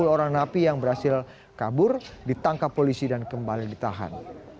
sepuluh orang napi yang berhasil kabur ditangkap polisi dan kembali ditahan